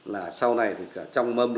là sau này thì cả trong mâm